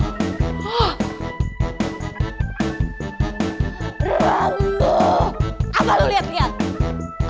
renggu apa lu liat liat